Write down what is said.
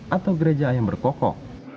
atau gereja yang berkokok